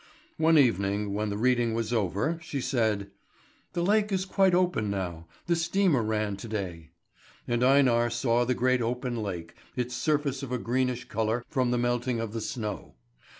One evening, when the reading was over, she said: "The lake is quite open now; the steamer ran to day." And Einar saw the great open lake, its surface of a greenish colour from the melting of the snow.